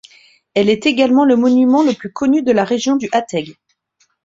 Elle est également le monument le plus connu de la région du Haţeg.